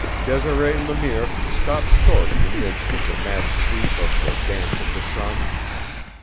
Desiree Le Mire stopped short in the midst of the mad sweep of the Dance of the Sun.